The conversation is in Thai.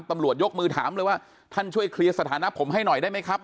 ตำรวจยกมือถามเลยว่าท่านช่วยเคลียร์สถานะผมให้หน่อยได้ไหมครับ